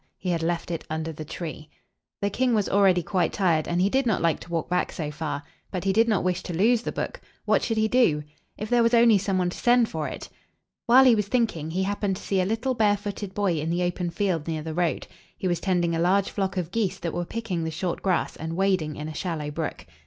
He had left it under the tree. The king was already quite tired, and he did not like to walk back so far. But he did not wish to lose the book. What should he do? If there was only some one to send for it! While he was thinking, he happened to see a little bare foot ed boy in the open field near the road. He was tending a large flock of geese that were picking the short grass, and wading in a shallow brook.